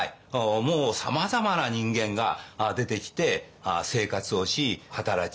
もうさまざまな人間が出てきて生活をし働き